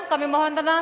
kami mohon tenang